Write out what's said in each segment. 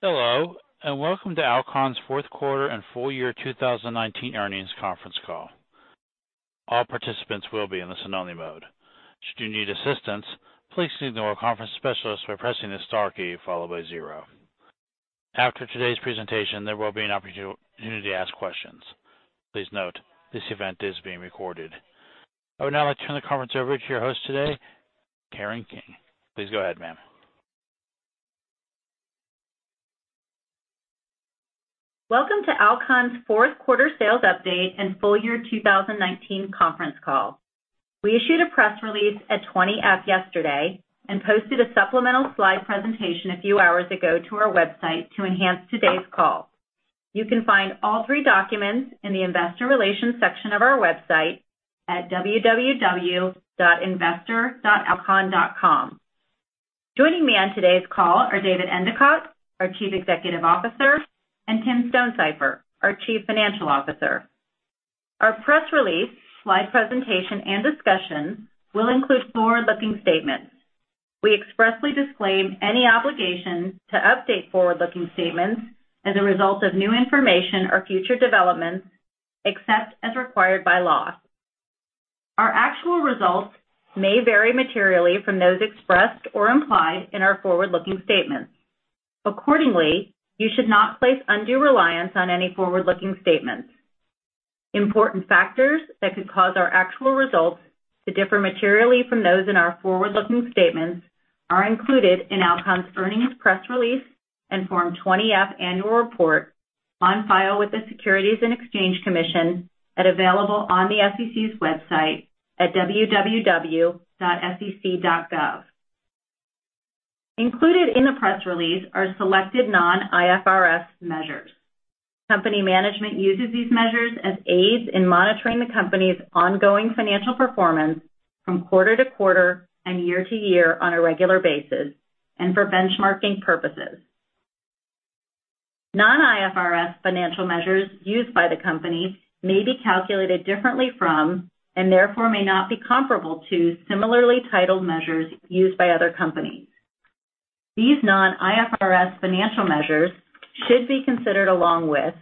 Hello, and welcome to Alcon's fourth quarter and full year 2019 earnings conference call. All participants will be in listen only mode. Should you need assistance, please signal a conference specialist by pressing the star key followed by zero. After today's presentation, there will be an opportunity to ask questions. Please note, this event is being recorded. I would now like to turn the conference over to your host today, Karen King. Please go ahead, ma'am. Welcome to Alcon's fourth quarter sales update and full year 2019 conference call. We issued a press release at 20-F yesterday and posted a supplemental slide presentation a few hours ago to our website to enhance today's call. You can find all three documents in the investor relations section of our website at www.investor.alcon.com. Joining me on today's call are David Endicott, our Chief Executive Officer, and Tim Stonesifer, our Chief Financial Officer. Our press release, slide presentation, and discussion will include forward-looking statements. We expressly disclaim any obligation to update forward-looking statements as a result of new information or future developments, except as required by law. Our actual results may vary materially from those expressed or implied in our forward-looking statements. Accordingly, you should not place undue reliance on any forward-looking statements. Important factors that could cause our actual results to differ materially from those in our forward-looking statements are included in Alcon's earnings press release and Form 20-F annual report on file with the Securities and Exchange Commission and available on the SEC's website at www.sec.gov. Included in the press release are selected non-IFRS measures. Company management uses these measures as aids in monitoring the company's ongoing financial performance from quarter to quarter and year to year on a regular basis and for benchmarking purposes. Non-IFRS financial measures used by the company may be calculated differently from, and therefore may not be comparable to, similarly titled measures used by other companies. These non-IFRS financial measures should be considered along with,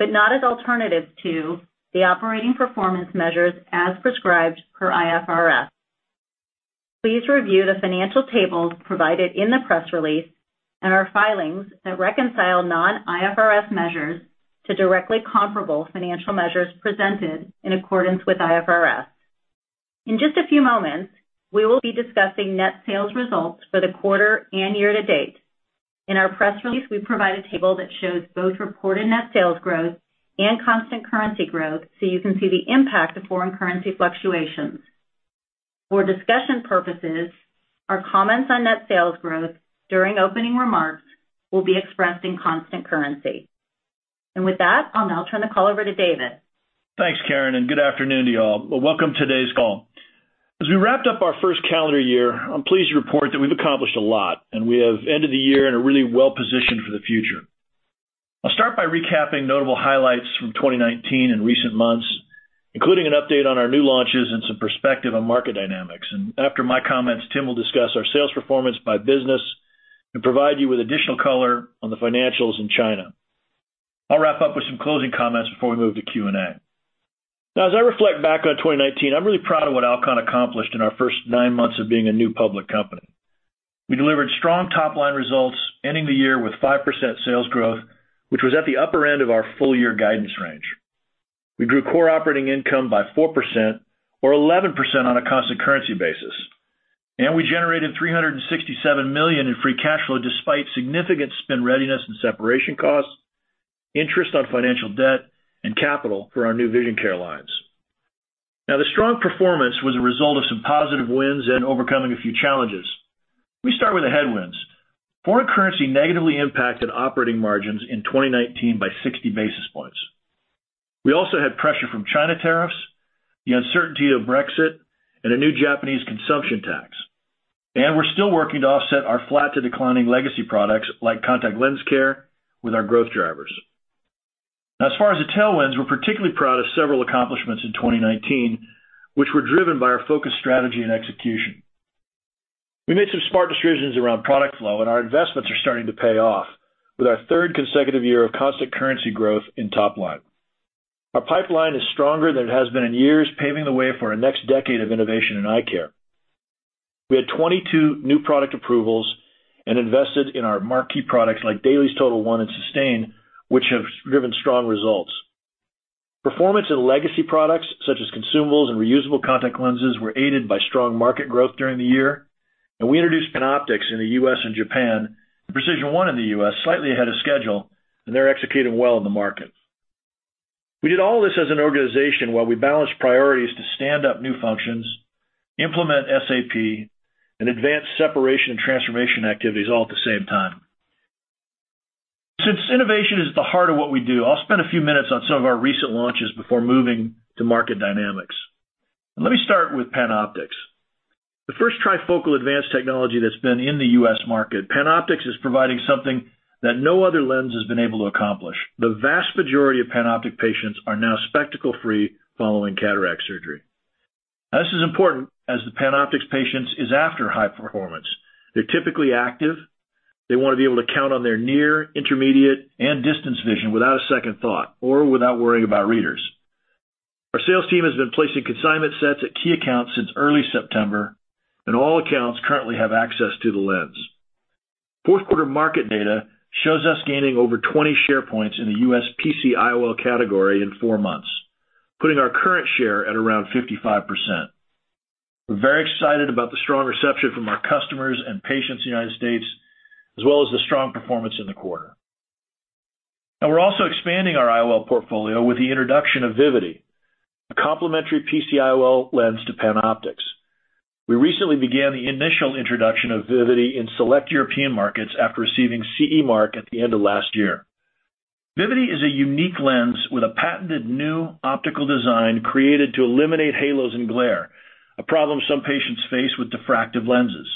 but not as alternatives to, the operating performance measures as prescribed per IFRS. Please review the financial tables provided in the press release and our filings that reconcile non-IFRS measures to directly comparable financial measures presented in accordance with IFRS. In just a few moments, we will be discussing net sales results for the quarter and year to date. In our press release, we provide a table that shows both reported net sales growth and constant currency growth so you can see the impact of foreign currency fluctuations. For discussion purposes, our comments on net sales growth during opening remarks will be expressed in constant currency. With that, I'll now turn the call over to David. Thanks, Karen, and good afternoon to you all. Welcome today's call. As we wrapped up our first calendar year, I'm pleased to report that we've accomplished a lot, and we have ended the year and are really well-positioned for the future. I'll start by recapping notable highlights from 2019 and recent months, including an update on our new launches and some perspective on market dynamics. After my comments, Tim will discuss our sales performance by business and provide you with additional color on the financials in China. I'll wrap up with some closing comments before we move to Q&A. Now, as I reflect back on 2019, I'm really proud of what Alcon accomplished in our first nine months of being a new public company. We delivered strong top-line results ending the year with 5% sales growth, which was at the upper end of our full year guidance range. We grew core operating income by 4% or 11% on a constant currency basis, and we generated $367 million in free cash flow despite significant spin readiness and separation costs, interest on financial debt, and capital for our new vision care lines. Now, the strong performance was a result of some positive wins and overcoming a few challenges. Let me start with the headwinds. Foreign currency negatively impacted operating margins in 2019 by 60 basis points. We also had pressure from China tariffs, the uncertainty of Brexit, and a new Japanese consumption tax. We're still working to offset our flat to declining legacy products like contact lens care with our growth drivers. As far as the tailwinds, we're particularly proud of several accomplishments in 2019, which were driven by our focused strategy and execution. We made some smart decisions around product flow, and our investments are starting to pay off with our third consecutive year of constant currency growth in top line. Our pipeline is stronger than it has been in years, paving the way for our next decade of innovation in eye care. We had 22 new product approvals and invested in our marquee products like DAILIES TOTAL1 and SYSTANE, which have driven strong results. Performance in legacy products such as consumables and reusable contact lenses were aided by strong market growth during the year. We introduced PanOptix in the U.S. and Japan, and PRECISION1 in the U.S. slightly ahead of schedule, and they're executing well in the market. We did all this as an organization while we balanced priorities to stand up new functions, implement SAP, and advance separation and transformation activities all at the same time. Since innovation is the heart of what we do, I'll spend a few minutes on some of our recent launches before moving to market dynamics. Let me start with PanOptix. The first trifocal advanced technology that's been in the U.S. market, PanOptix is providing something that no other lens has been able to accomplish. The vast majority of PanOptix patients are now spectacle-free following cataract surgery. This is important as the PanOptix patients is after high performance. They're typically active. They wanna be able to count on their near, intermediate, and distance vision without a second thought or without worrying about readers. Our sales team has been placing consignment sets at key accounts since early September, and all accounts currently have access to the lens. Fourth quarter market data shows us gaining over 20 share points in the U.S. PC IOL category in four months, putting our current share at around 55%. We're very excited about the strong reception from our customers and patients in the United States, as well as the strong performance in the quarter. We're also expanding our IOL portfolio with the introduction of Vivity, a complementary PC IOL lens to PanOptix. We recently began the initial introduction of Vivity in select European markets after receiving CE mark at the end of last year. Vivity is a unique lens with a patented new optical design created to eliminate halos and glare, a problem some patients face with diffractive lenses.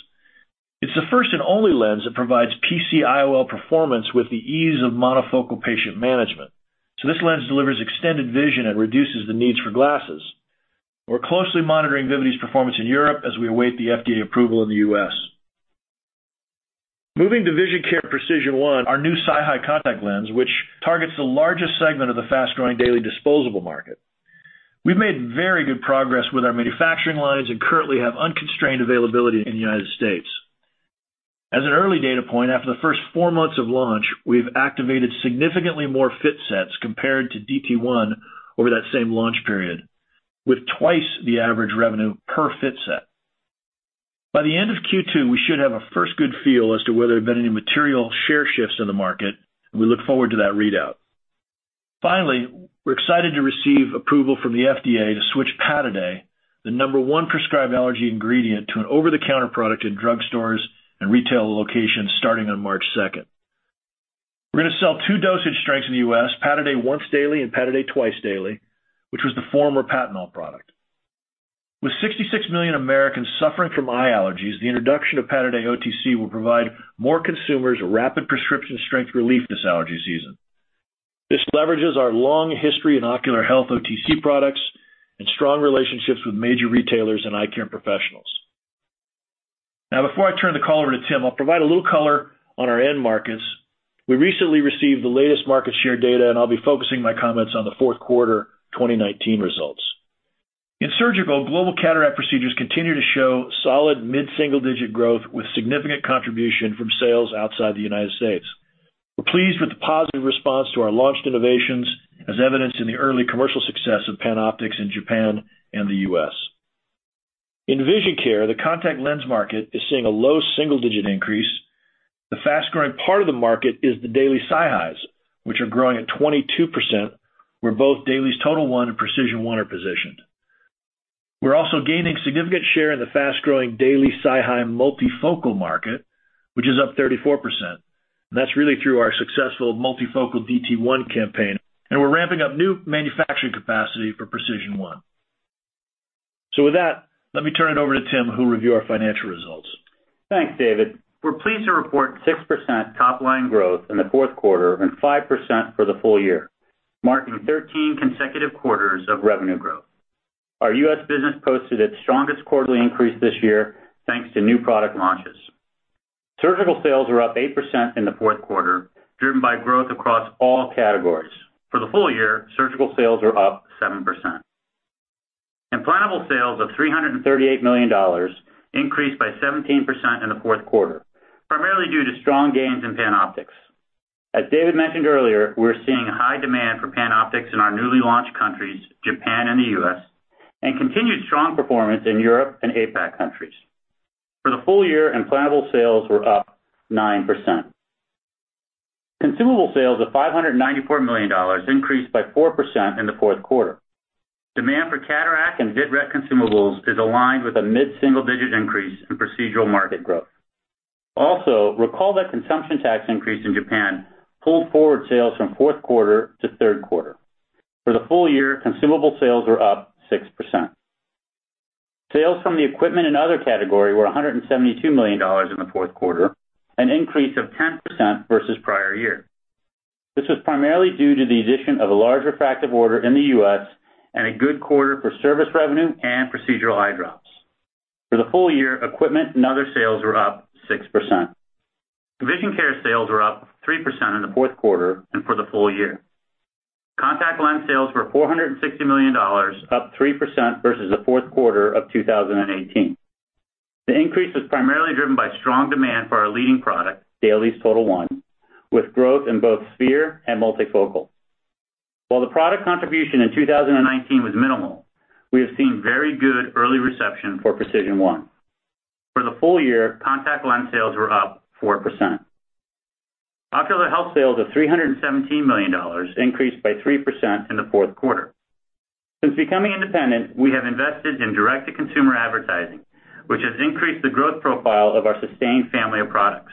It's the first and only lens that provides PC IOL performance with the ease of monofocal patient management. This lens delivers extended vision and reduces the needs for glasses. We're closely monitoring Vivity's performance in Europe as we await the FDA approval in the U.S. Moving to Vision Care PRECISION1, our new SiHy contact lens, which targets the largest segment of the fast-growing daily disposable market. We've made very good progress with our manufacturing lines and currently have unconstrained availability in the United States. As an early data point, after the first four months of launch, we've activated significantly more fit sets compared to DT1 over that same launch period, with twice the average revenue per fit set. By the end of Q2, we should have a first good feel as to whether there have been any material share shifts in the market, and we look forward to that readout. Finally, we're excited to receive approval from the FDA to switch Pataday, the number one prescribed allergy ingredient, to an over-the-counter product in drugstores and retail locations starting on March 2nd. We're gonna sell two dosage strengths in the U.S., Pataday Once Daily Relief and Pataday Twice Daily Relief, which was the former Patanol product. With 66 million Americans suffering from eye allergies, the introduction of Pataday OTC will provide more consumers a rapid prescription strength relief this allergy season. This leverages our long history in ocular health OTC products and strong relationships with major retailers and eye care professionals. Now before I turn the call over to Tim, I'll provide a little color on our end markets. We recently received the latest market share data, I'll be focusing my comments on the fourth quarter 2019 results. In surgical, global cataract procedures continue to show solid mid-single-digit growth with significant contribution from sales outside the U.S. We're pleased with the positive response to our launched innovations, as evidenced in the early commercial success of PanOptix in Japan and the U.S. In Vision Care, the contact lens market is seeing a low single-digit increase. The fast-growing part of the market is the daily SiHys, which are growing at 22%, where both DAILIES TOTAL1 and PRECISION1 are positioned. We're also gaining significant share in the fast-growing daily SiHy multifocal market, which is up 34%. That's really through our successful multifocal DT1 campaign, and we're ramping up new manufacturing capacity for PRECISION1. With that, let me turn it over to Tim, who will review our financial results. Thanks, David. We're pleased to report 6% top line growth in the fourth quarter and 5% for the full year, marking 13 consecutive quarters of revenue growth. Our U.S. business posted its strongest quarterly increase this year, thanks to new product launches. Surgical sales were up 8% in the fourth quarter, driven by growth across all categories. For the full year, surgical sales were up 7%. Implantable sales of $338 million increased by 17% in the fourth quarter, primarily due to strong gains in PanOptix. As David mentioned earlier, we're seeing high demand for PanOptix in our newly launched countries, Japan and the U.S., and continued strong performance in Europe and APAC countries. For the full year, implantable sales were up 9%. Consumable sales of $594 million increased by 4% in the fourth quarter. Demand for cataract and vitreoretinal consumables is aligned with a mid-single-digit increase in procedural market growth. Also, recall that consumption tax increase in Japan pulled forward sales from fourth quarter to third quarter. For the full year, consumable sales were up 6%. Sales from the equipment and other category were $172 million in the fourth quarter, an increase of 10% versus prior year. This was primarily due to the addition of a large refractive order in the U.S. and a good quarter for service revenue and procedural eye drops. For the full year, equipment and other sales were up 6%. Vision Care sales were up 3% in the fourth quarter and for the full year. Contact lens sales were $460 million, up 3% versus the fourth quarter of 2018. The increase was primarily driven by strong demand for our leading product, DAILIES TOTAL1, with growth in both sphere and multifocal. While the product contribution in 2019 was minimal, we have seen very good early reception for PRECISION1. For the full year, contact lens sales were up 4%. Ocular health sales of $317 million increased by 3% in the fourth quarter. Since becoming independent, we have invested in direct-to-consumer advertising, which has increased the growth profile of the SYSTANE family of products.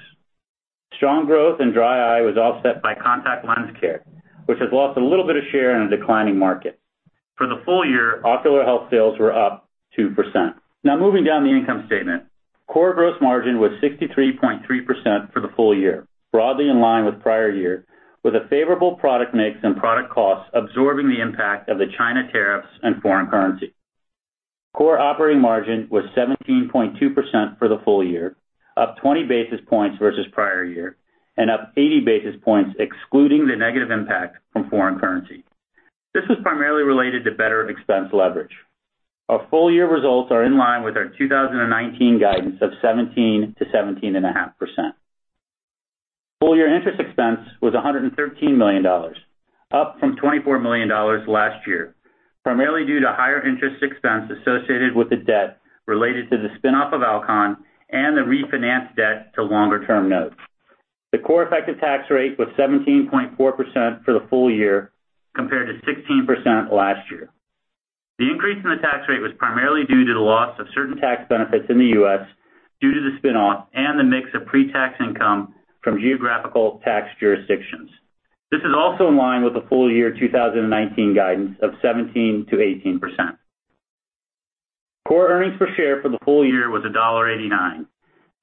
Strong growth in dry eye was offset by contact lens care, which has lost a little bit of share in a declining market. For the full year, Ocular health sales were up 2%. Now moving down the income statement. Core gross margin was 63.3% for the full year, broadly in line with prior year, with a favorable product mix and product costs absorbing the impact of the China tariffs and foreign currency. Core operating margin was 17.2% for the full year, up 20 basis points versus prior year, and up 80 basis points excluding the negative impact from foreign currency. This was primarily related to better expense leverage. Our full year results are in line with our 2019 guidance of 17%-17.5%. Full year interest expense was $113 million, up from $24 million last year, primarily due to higher interest expense associated with the debt related to the spin-off of Alcon and the refinanced debt to longer-term notes. The core effective tax rate was 17.4% for the full year compared to 16% last year. The increase in the tax rate was primarily due to the loss of certain tax benefits in the U.S. due to the spin-off and the mix of pre-tax income from geographical tax jurisdictions. This is also in line with the full year 2019 guidance of 17%-18%. Core earnings per share for the full year was $1.89,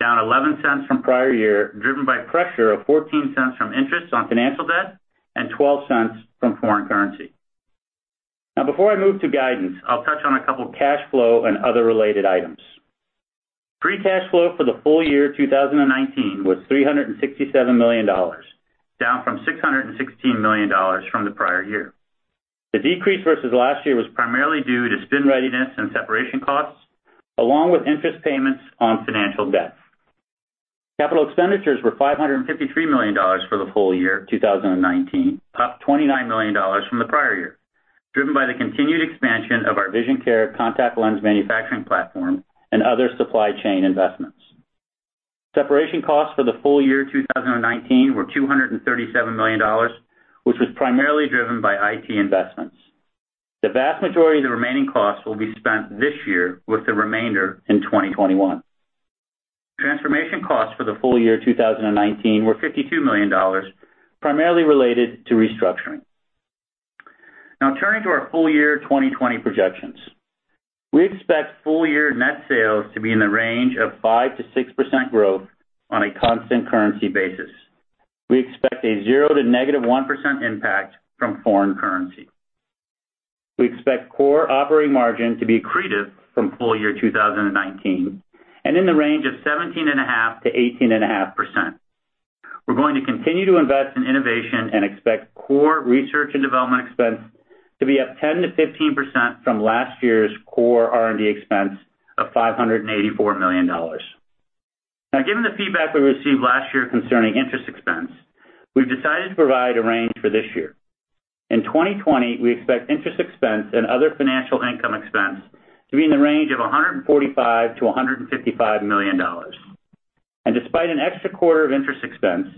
down $0.11 from prior year, driven by pressure of $0.14 from interest on financial debt and $0.12 from foreign currency. Before I move to guidance, I'll touch on a couple of cash flow and other related items. Free cash flow for the full year 2019 was $367 million, down from $616 million from the prior year. The decrease versus last year was primarily due to spin readiness and separation costs, along with interest payments on financial debt. Capital expenditures were $553 million for the full year 2019, up $29 million from the prior year, driven by the continued expansion of our vision care contact lens manufacturing platform and other supply chain investments. Separation costs for the full year 2019 were $237 million, which was primarily driven by IT investments. The vast majority of the remaining costs will be spent this year, with the remainder in 2021. Transformation costs for the full year 2019 were $52 million, primarily related to restructuring. Now turning to our full year 2020 projections. We expect full year net sales to be in the range of 5%-6% growth on a constant currency basis. We expect a 0% to -1% impact from foreign currency. We expect core operating margin to be accretive from full year 2019 and in the range of 17.5%-18.5%. We're going to continue to invest in innovation and expect core research and development expense to be up 10%-15% from last year's core R&D expense of $584 million. Now, given the feedback we received last year concerning interest expense, we've decided to provide a range for this year. In 2020, we expect interest expense and other financial income expense to be in the range of $145 million-$155 million. Despite an extra quarter of interest expense,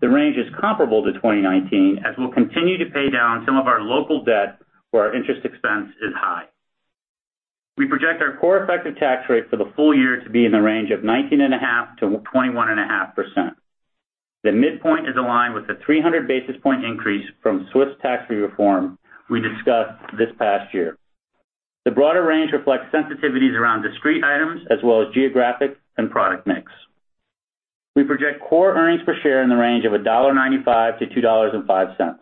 the range is comparable to 2019, as we'll continue to pay down some of our local debt where our interest expense is high. We project our core effective tax rate for the full year to be in the range of 19.5%-21.5%. The midpoint is aligned with the 300 basis point increase from Swiss tax reform we discussed this past year. The broader range reflects sensitivities around discrete items as well as geographic and product mix. We project core earnings per share in the range of $1.95-$2.05.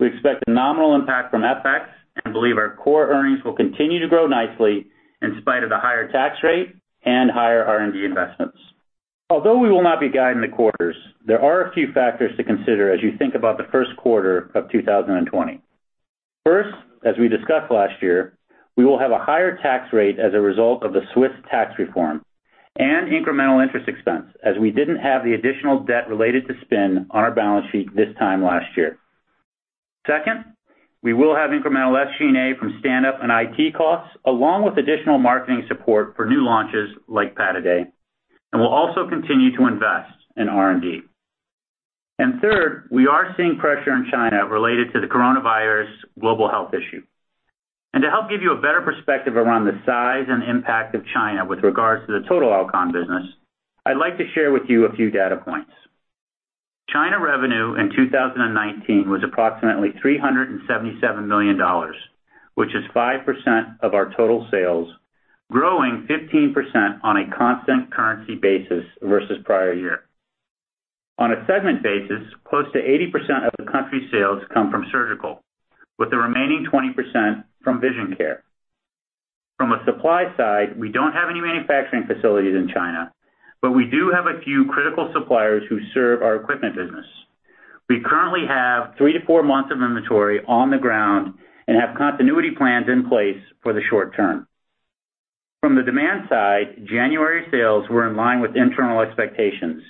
We expect a nominal impact from FX and believe our core earnings will continue to grow nicely in spite of the higher tax rate and higher R&D investments. Although we will not be guiding the quarters, there are a few factors to consider as you think about the first quarter of 2020. First, as we discussed last year, we will have a higher tax rate as a result of the Swiss tax reform and incremental interest expense, as we didn't have the additional debt related to spin on our balance sheet this time last year. Second, we will have incremental SG&A from standup and IT costs, along with additional marketing support for new launches like Pataday, and we'll also continue to invest in R&D. Third, we are seeing pressure in China related to the coronavirus global health issue. To help give you a better perspective around the size and impact of China with regards to the total Alcon business, I'd like to share with you a few data points. China revenue in 2019 was approximately $377 million, which is 5% of our total sales, growing 15% on a constant currency basis versus prior year. On a segment basis, close to 80% of the country's sales come from surgical, with the remaining 20% from vision care. From a supply side, we don't have any manufacturing facilities in China, but we do have a few critical suppliers who serve our equipment business. We currently have three to four months of inventory on the ground and have continuity plans in place for the short term. From the demand side, January sales were in line with internal expectations,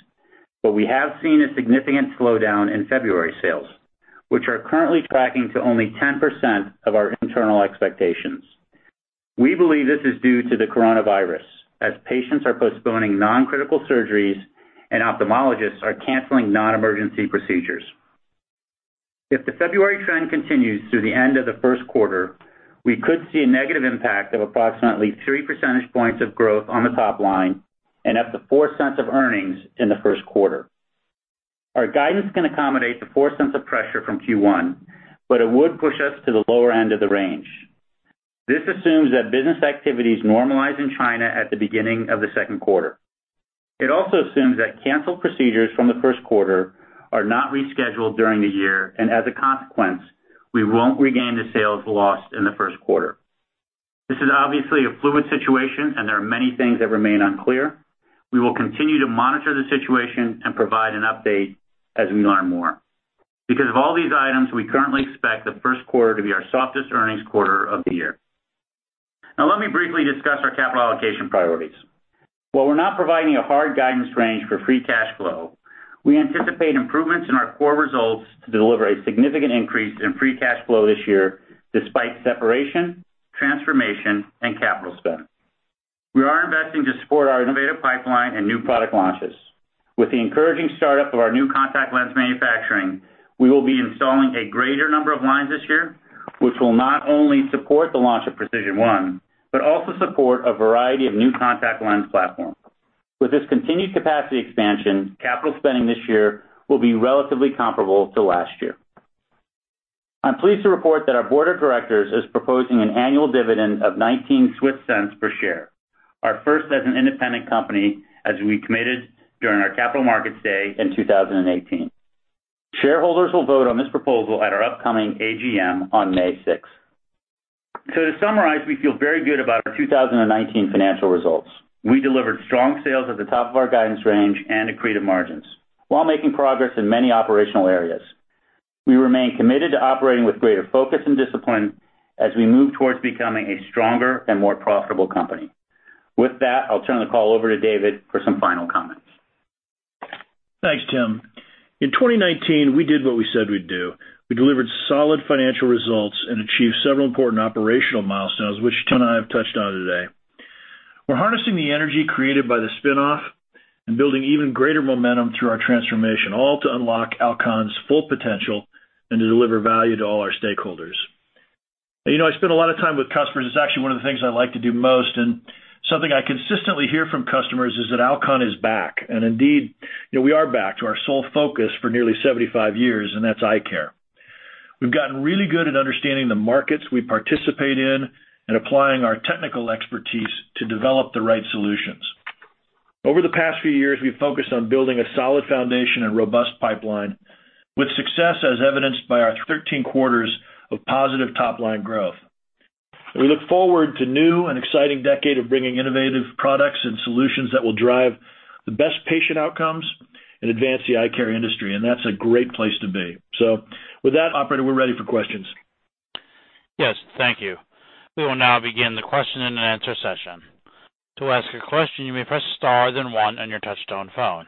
but we have seen a significant slowdown in February sales, which are currently tracking to only 10% of our internal expectations. We believe this is due to the coronavirus, as patients are postponing non-critical surgeries and ophthalmologists are canceling non-emergency procedures. If the February trend continues through the end of the first quarter, we could see a negative impact of approximately 3 percentage points of growth on the top line and up to $0.04 of earnings in the first quarter. Our guidance can accommodate the $0.04 of pressure from Q1, but it would push us to the lower end of the range. This assumes that business activities normalize in China at the beginning of the second quarter. It also assumes that canceled procedures from the first quarter are not rescheduled during the year, and as a consequence, we won't regain the sales lost in the first quarter. This is obviously a fluid situation, and there are many things that remain unclear. We will continue to monitor the situation and provide an update as we learn more. Because of all these items, we currently expect the first quarter to be our softest earnings quarter of the year. Now, let me briefly discuss our capital allocation priorities. While we're not providing a hard guidance range for free cash flow, we anticipate improvements in our core results to deliver a significant increase in free cash flow this year despite separation, transformation, and capital spend. We are investing to support our innovative pipeline and new product launches. With the encouraging startup of our new contact lens manufacturing, we will be installing a greater number of lines this year, which will not only support the launch of PRECISION1, but also support a variety of new contact lens platforms. With this continued capacity expansion, capital spending this year will be relatively comparable to last year. I'm pleased to report that our board of directors is proposing an annual dividend of 0.19/share, our first as an independent company as we committed during our Capital Markets Day in 2018. Shareholders will vote on this proposal at our upcoming AGM on May 6. To summarize, we feel very good about our 2019 financial results. We delivered strong sales at the top of our guidance range and accretive margins while making progress in many operational areas. We remain committed to operating with greater focus and discipline as we move towards becoming a stronger and more profitable company. With that, I'll turn the call over to David for some final comments. Thanks, Tim. In 2019, we did what we said we'd do. We delivered solid financial results and achieved several important operational milestones, which Tim and I have touched on today. We're harnessing the energy created by the spin-off and building even greater momentum through our transformation, all to unlock Alcon's full potential and to deliver value to all our stakeholders. You know, I spend a lot of time with customers. It's actually one of the things I like to do most, and something I consistently hear from customers is that Alcon is back. Indeed, you know, we are back to our sole focus for nearly 75 years, and that's eye care. We've gotten really good at understanding the markets we participate in and applying our technical expertise to develop the right solutions. Over the past few years, we've focused on building a solid foundation and robust pipeline with success as evidenced by our 13 quarters of positive top-line growth. We look forward to a new and exciting decade of bringing innovative products and solutions that will drive the best patient outcomes and advance the eye care industry, and that's a great place to be. With that, operator, we're ready for questions. Yes thank you. We will now begin the question and answer session. To ask your question you may press star then one on your touchtone phone.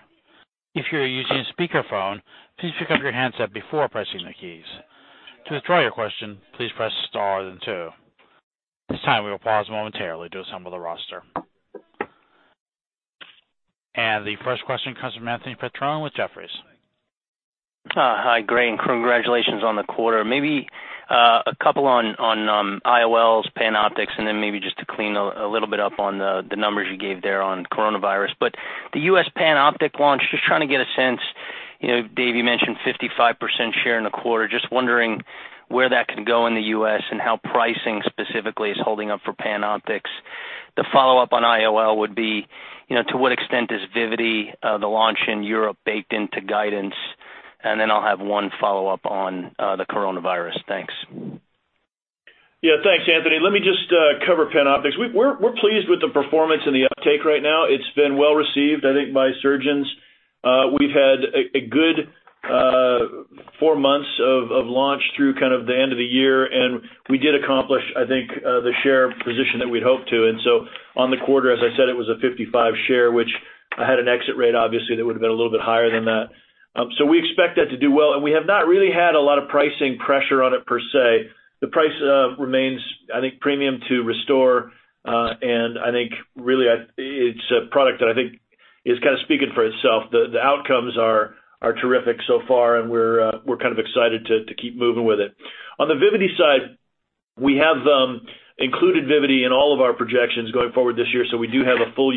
If you are using a speaker phone please pick up your handset before pressing the keys. To withdraw your question please press star and two. This time will pause momentarily to assemble the roster. The first question comes from Anthony Petrone with Jefferies. Hi, great, congratulations on the quarter. Maybe a couple on IOLs, PanOptix, and then maybe just to clean a little bit up on the numbers you gave there on coronavirus. The U.S. PanOptix launch, just trying to get a sense, you know, David, you mentioned 55% share in the quarter. Just wondering where that can go in the U.S. and how pricing specifically is holding up for PanOptix. The follow-up on IOL would be, you know, to what extent is Vivity the launch in Europe baked into guidance? I'll have one follow-up on the coronavirus. Thanks. Yeah. Thanks, Anthony. Let me just cover PanOptix. We're pleased with the performance and the uptake right now. It's been well received, I think, by surgeons. We've had a good four months of launch through kind of the end of the year, and we did accomplish, I think, the share position that we'd hoped to. On the quarter, as I said, it was a 55 share, which I had an exit rate, obviously, that would've been a little bit higher than that. We expect that to do well. We have not really had a lot of pricing pressure on it per se. The price remains, I think, premium to ReSTOR. I think really it's a product that I think is kind of speaking for itself. The outcomes are terrific so far, and we're kind of excited to keep moving with it. On the Vivity side, we have included Vivity in all of our projections going forward this year, so we do have a full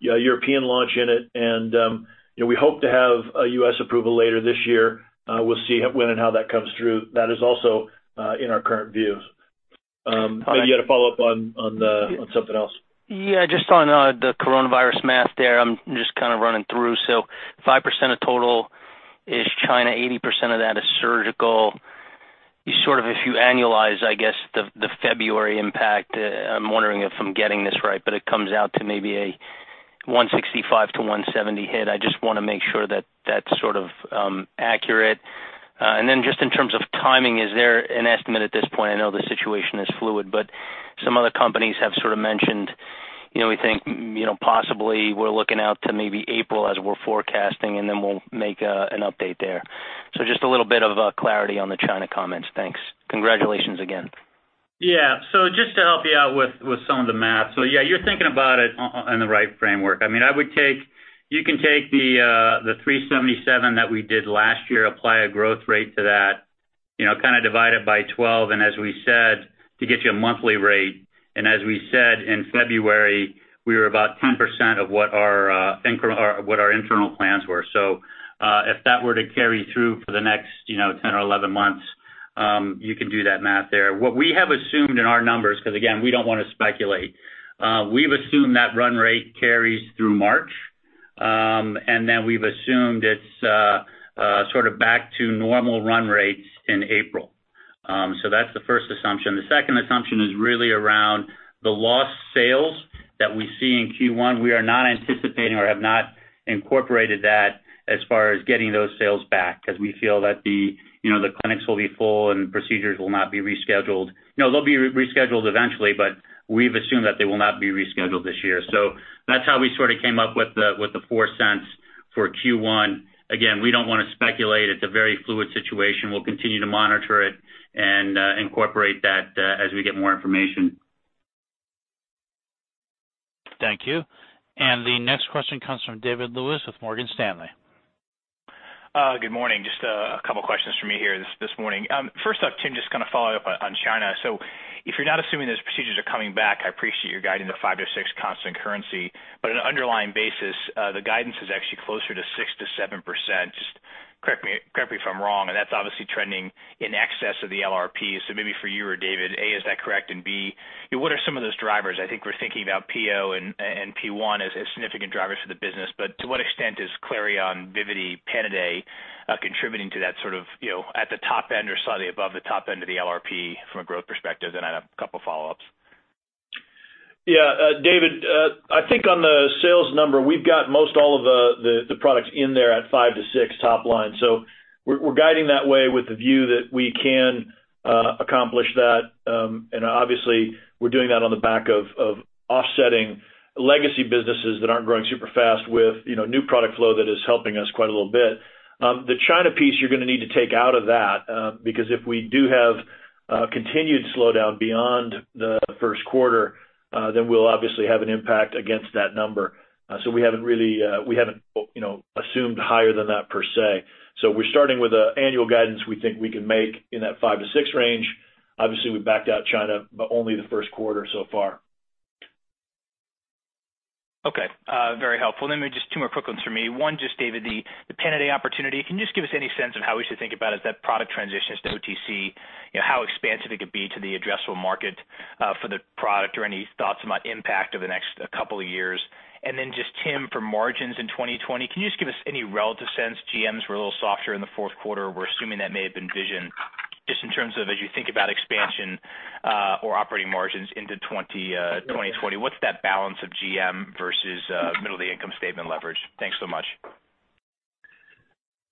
European launch in it. You know, we hope to have a U.S. approval later this year. We'll see when and how that comes through. That is also in our current views. You had a follow-up on something else. Yeah, just on the coronavirus math there. I'm just kind of running through. 5% of total is China, 80% of that is surgical. You sort of, if you annualize, I guess, the February impact, I'm wondering if I'm getting this right, but it comes out to maybe a 165-170 hit. I just wanna make sure that that's sort of accurate. Then just in terms of timing, is there an estimate at this point? I know the situation is fluid, but some other companies have sort of mentioned, you know, we think, you know, possibly we're looking out to maybe April as we're forecasting, and then we'll make an update there. Just a little bit of clarity on the China comments. Thanks. Congratulations again. Yeah. Just to help you out with some of the math. Yeah, you're thinking about it on the right framework. I mean, you can take the 377 that we did last year, apply a growth rate to that. You know, kind of divide it by 12, and as we said, to get you a monthly rate, and as we said, in February, we were about 10% of what our internal plans were. If that were to carry through for the next, you know, 10 or 11 months, you can do that math there. What we have assumed in our numbers, 'cause again, we don't wanna speculate, we've assumed that run rate carries through March. Then we've assumed it's sort of back to normal run rates in April. That's the first assumption. The second assumption is really around the lost sales that we see in Q1. We are not anticipating or have not incorporated that as far as getting those sales back, 'cause we feel that the, you know, the clinics will be full and procedures will not be rescheduled. No, they'll be re-rescheduled eventually, but we've assumed that they will not be rescheduled this year. That's how we sort of came up with the $0.04 for Q1. Again, we don't wanna speculate. It's a very fluid situation. We'll continue to monitor it and incorporate that as we get more information. Thank you. The next question comes from David Lewis with Morgan Stanley. Good morning. Just a couple questions for me here this morning. First off, Tim, just kinda follow up on China. If you're not assuming those procedures are coming back, I appreciate you're guiding the 5%-6% constant currency, but on an underlying basis, the guidance is actually closer to 6%-7%. Just correct me if I'm wrong, and that's obviously trending in excess of the LRP. Maybe for you or David, A, is that correct? B, what are some of those drivers? I think we're thinking about PO and PRECISION1 as significant drivers for the business. To what extent is Clareon, Vivity, Pataday, contributing to that sort of, you know, at the top end or slightly above the top end of the LRP from a growth perspective? I have a couple follow-ups. David, I think on the sales number, we've got most all of the products in there at 5%-6% top line. We're guiding that way with the view that we can accomplish that. Obviously we're doing that on the back of offsetting legacy businesses that aren't growing super fast with, you know, new product flow that is helping us quite a little bit. The China piece you're gonna need to take out of that, because if we do have continued slowdown beyond the first quarter, then we'll obviously have an impact against that number. We haven't, you know, assumed higher than that per se. We're starting with a annual guidance we think we can make in that 5%-6% range. Obviously, we backed out China, but only the first quarter so far. Okay, very helpful. Maybe just two more quick ones for me. One, just David, the Pataday opportunity. Can you just give us any sense on how we should think about as that product transitions to OTC? You know, how expansive it could be to the addressable market, for the product, or any thoughts about impact over the next couple of years? Just Tim, for margins in 2020, can you just give us any relative sense? GMs were a little softer in the fourth quarter. We're assuming that may have been vision. Just in terms of as you think about expansion, or operating margins into 2020, what's that balance of GM versus, middle of the income statement leverage? Thanks so much.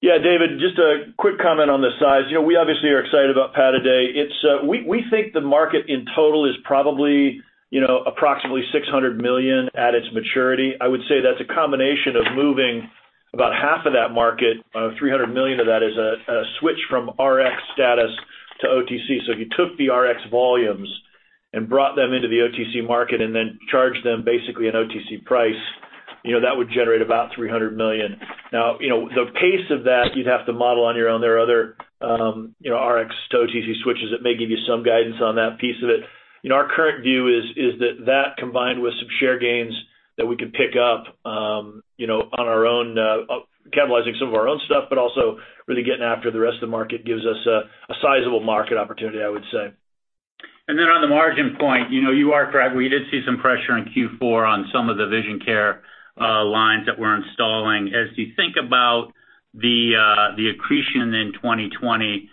Yeah, David, just a quick comment on the size. You know, we obviously are excited about Pataday. It's, we think the market in total is probably, you know, approximately $600 million at its maturity. I would say that's a combination of moving about half of that market, $300 million of that is a switch from Rx status to OTC. If you took the Rx volumes and brought them into the OTC market and then charged them basically an OTC price, you know, that would generate about $300 million. Now, you know, the pace of that you'd have to model on your own. There are other, you know, Rx to OTC switches that may give you some guidance on that piece of it. You know, our current view is that combined with some share gains that we could pick up, you know, on our own, catalyzing some of our own stuff, but also really getting after the rest of the market gives us a sizable market opportunity, I would say. On the margin point, you know, you are correct. We did see some pressure in Q4 on some of the vision care lines that we're installing. As you think about the accretion in 2020,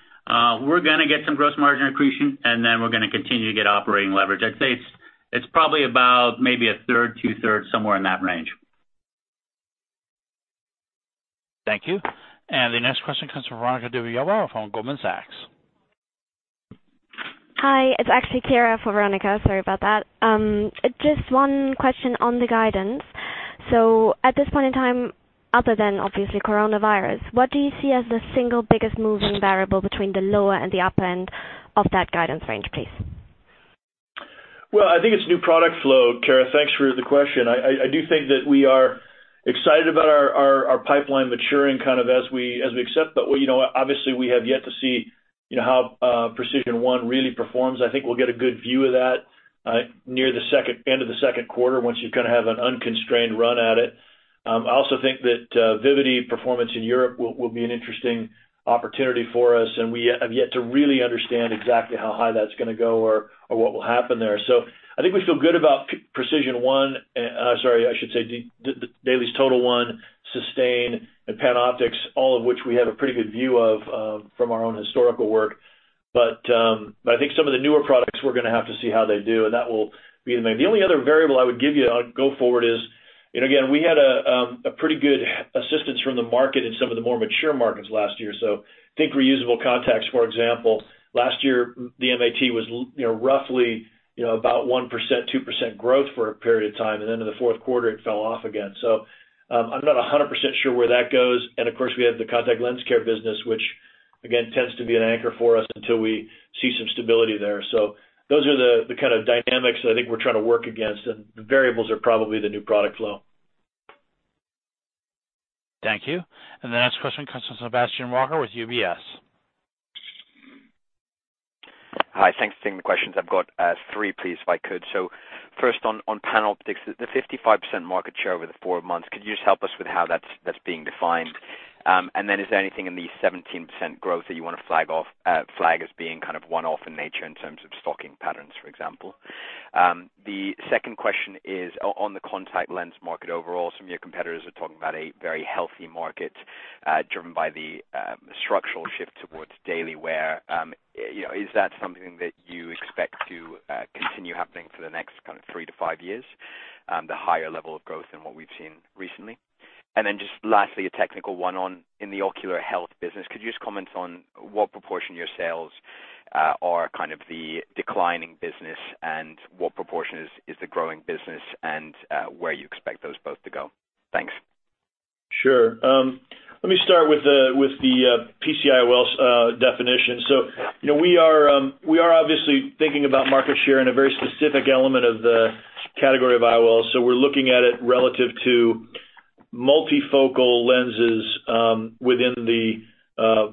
we're gonna get some gross margin accretion, and then we're gonna continue to get operating leverage. I'd say it's probably about maybe 1/3, 2/3, somewhere in that range. Thank you. The next question comes from Veronika Dubajova from Goldman Sachs. Hi, it's actually Kara for Veronika. Sorry about that. Just one question on the guidance. At this point in time, other than obviously coronavirus, what do you see as the single biggest moving variable between the lower and the upper end of that guidance range, please? Well, I think it's new product flow, Kara. Thanks for the question. I do think that we are excited about our pipeline maturing kind of as we accept that. Well, you know, obviously, we have yet to see, you know, how PRECISION1 really performs. I think we'll get a good view of that near the end of the second quarter once you kind of have an unconstrained run at it. I also think that Vivity performance in Europe will be an interesting opportunity for us, and we have yet to really understand exactly how high that's gonna go or what will happen there. I think we feel good about PRECISION1, sorry, I should say the DAILIES TOTAL1, SYSTANE, and PanOptix, all of which we have a pretty good view of, from our own historical work. I think some of the newer products, we're gonna have to see how they do, and that will be the main. The only other variable I would give you on go forward is, and again, we had a pretty good assistance from the market in some of the more mature markets last year. Think reusable contacts, for example. Last year, the MAT was you know, roughly, you know, about 1%, 2% growth for a period of time, and then in the fourth quarter, it fell off again. I'm not 100% sure where that goes. Of course, we have the contact lens care business, which again, tends to be an anchor for us until we see some stability there. Those are the kind of dynamics that I think we're trying to work against, and the variables are probably the new product flow. Thank you. The next question comes from Sebastian Walker with UBS. Hi, thanks for taking the questions. I've got three, please, if I could. First on PanOptix, the 55% market share over the four months, could you just help us with how that's being defined? Then is there anything in the 17% growth that you wanna flag as being kind of one-off in nature in terms of stocking patterns, for example? The second question is on the contact lens market overall, some of your competitors are talking about a very healthy market, driven by the structural shift towards daily wear. You know, is that something that you expect to continue happening for the next kind of three to five years, the higher level of growth than what we've seen recently? Just lastly, a technical one on in the ocular health business, could you just comment on what proportion of your sales, are kind of the declining business and what proportion is the growing business and, where you expect those both to go? Thanks. Sure. Let me start with the PC IOLs definition. You know, we are obviously thinking about market share in a very specific element of the category of IOLs. We're looking at it relative to multifocal lenses within the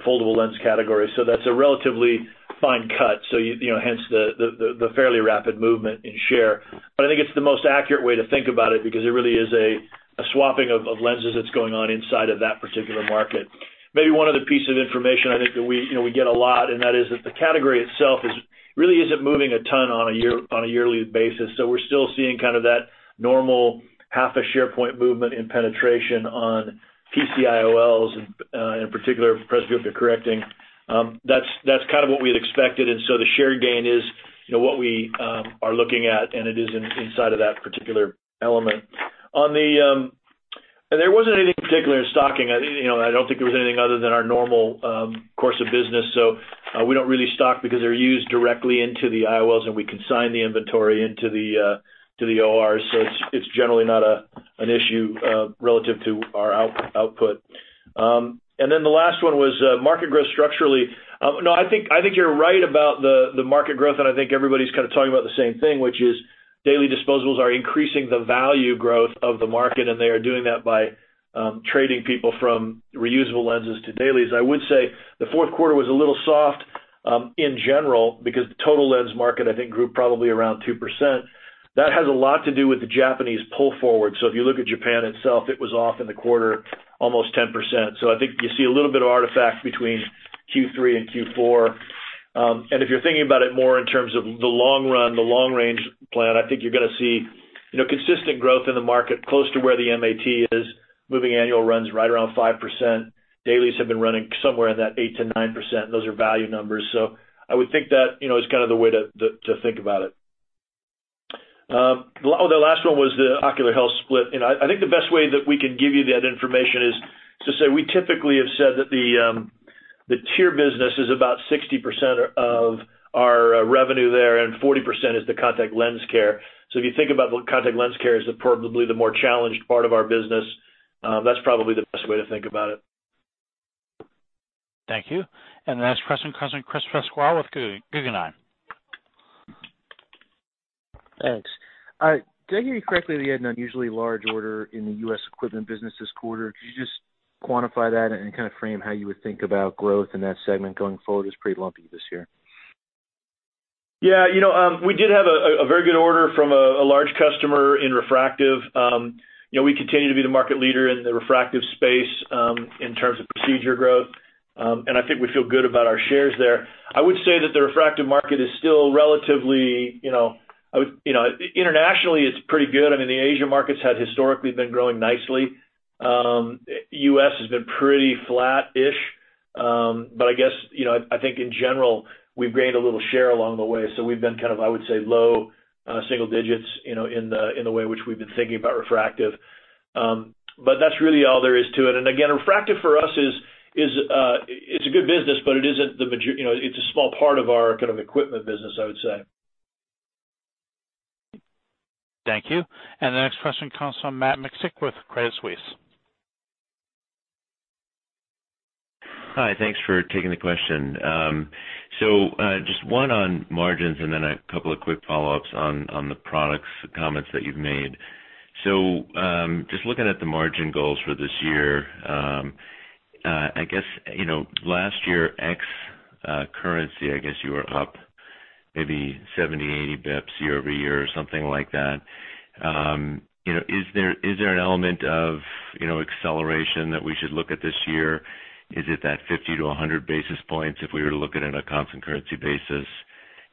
foldable lens category. That's a relatively fine cut. You know, hence the fairly rapid movement in share. I think it's the most accurate way to think about it because it really is a swapping of lenses that's going on inside of that particular market. Maybe one other piece of information I think that we, you know, we get a lot, and that is that the category itself really isn't moving a ton on a yearly basis. We're still seeing kind of that normal half a share point movement in penetration on PC-IOLs, in particular, presbyopia correcting. That's kind of what we had expected. The share gain is, you know, what we are looking at, and it is inside of that particular element. There wasn't anything particular in stocking. I, you know, I don't think there was anything other than our normal course of business. We don't really stock because they're used directly into the IOLs, and we consign the inventory into the OR. It's generally not an issue relative to our output. The last one was market growth structurally. No, I think you're right about the market growth, and I think everybody's kinda talking about the same thing, which is daily disposables are increasing the value growth of the market, and they are doing that by trading people from reusable lenses to dailies. I would say the fourth quarter was a little soft in general because the total lens market, I think, grew probably around 2%. That has a lot to do with the Japanese pull forward. If you look at Japan itself, it was off in the quarter almost 10%. I think you see a little bit of artifact between Q3 and Q4. If you're thinking about it more in terms of the long run, the long range plan, I think you're gonna see, you know, consistent growth in the market close to where the MAT is, moving annual runs right around 5%. Dailies have been running somewhere in that 8%-9%. Those are value numbers. I would think that, you know, is kind of the way to think about it. The last one was the ocular health split. I think the best way that we can give you that information is to say we typically have said that the tear business is about 60% of our revenue there, and 40% is the contact lens care. If you think about what contact lens care is probably the more challenged part of our business, that's probably the best way to think about it. Thank you. The next question comes from Chris Pasquale with Guggenheim. Thanks. Did I hear you correctly that you had an unusually large order in the U.S. equipment business this quarter? Could you just quantify that and kind of frame how you would think about growth in that segment going forward? It's pretty lumpy this year. Yeah. You know, we did have a very good order from a large customer in refractive. You know, we continue to be the market leader in the refractive space, in terms of procedure growth. I think we feel good about our shares there. I would say that the refractive market is still relatively, you know, internationally, it's pretty good. I mean, the Asia markets had historically been growing nicely. U.S. has been pretty flat-ish. I guess, you know, I think in general, we've gained a little share along the way. We've been kind of, I would say, low single digits, you know, in the way which we've been thinking about refractive. That's really all there is to it. Again, refractive for us is a good business, but it isn't the, you know, it's a small part of our kind of equipment business, I would say. Thank you. The next question comes from Matt Miksic with Credit Suisse. Hi. Thanks for taking the question. Just one on margins and then a couple of quick follow-ups on the products comments that you've made. Just looking at the margin goals for this year, I guess, you know, last year, ex currency, I guess you were up maybe 70 bps, 80 bps year-over-year or something like that. You know, is there an element of, you know, acceleration that we should look at this year? Is it that 50 basis points to 100 basis points if we were to look at it on a constant currency basis?